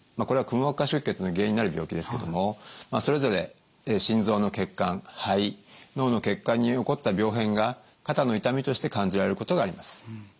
これはくも膜下出血の原因になる病気ですけどもそれぞれ心臓の血管肺脳の血管に起こった病変が肩の痛みとして感じられることがあります。